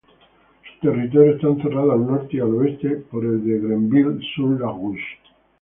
Su territorio está encerrado al norte y al este por el de Grenville-sur-la-Rouge.